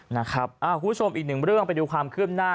นะครับอ่าคุณผู้ชมอีกหนึ่งเรื่องไปดูความขึ้มหน้า